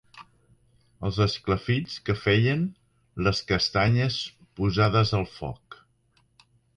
Els esclafits que feien les castanyes posades al foc.